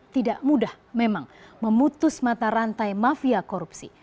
tidak mudah memang memutus mata rantai mafia korupsi